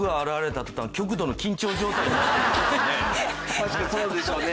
確かにそうでしょうね。